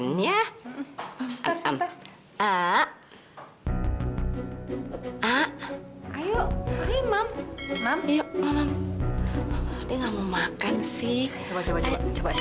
nah makan ya